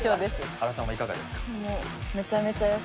原さんはいかがですか？